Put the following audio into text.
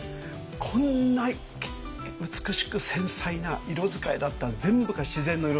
こんな美しく繊細な色使いだった全部が自然の色なんです。